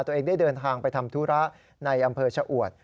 ตัวเองได้เดินทางไปทำธุระในอำเภอชะอวด